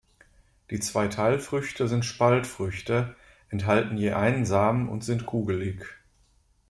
Die zwei Teilfrüchte sind Spaltfrüchte, enthalten je einen Samen und sind kugelig.